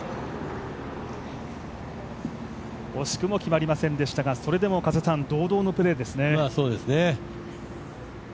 惜しくも決まりませんでしたが、それでも堂々のプレーですね。